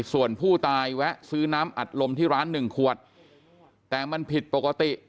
ส่วนผู้ตายแวะซื้อน้ำอัดลมที่ร้านหนึ่งขวดแต่มันผิดปกติ